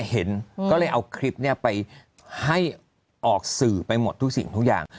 เห็นก็เลยเอาคลิปไปให้ออกสื่อไปหมดทุกสิ่งทุกอย่าง